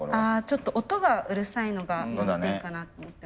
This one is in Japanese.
ちょっと音がうるさいのが難点かなと思ってます。